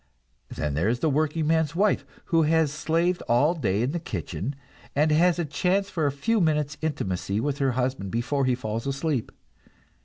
Then there is the workingman's wife, who has slaved all day in the kitchen, and has a chance for a few minutes' intimacy with her husband before he falls asleep.